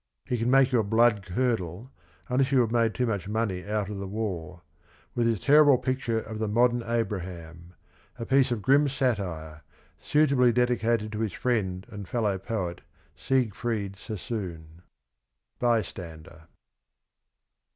... He can make your blood curdle (unless you have made too much money out of the war) with his terrible picture of ' The Modem Abraham,' a piece of grim satire, suitably dedicated to his friend and fellow poet, Siegfried Sassoon." Bystander.